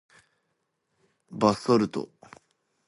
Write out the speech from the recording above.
Basalt floods on the planet Venus are larger than those on Earth.